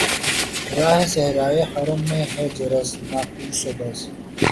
راہِ صحرائے حرم میں ہے جرس‘ ناقوس و بس